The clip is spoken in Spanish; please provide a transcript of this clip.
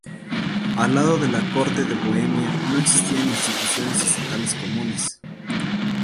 Al lado de la corte de Bohemia no existían instituciones estatales comunes.